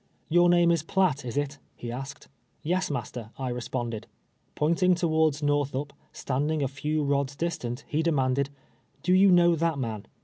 " Your name is Piatt, is it ?" he asked. " Yes, master," I responded. Pointing towards Xorthup, standing a few rods dis tant, he demanded —" Do you know that man